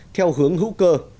theo hướng hữu cơ